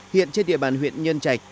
hiện trên địa bàn huyện nhân trạch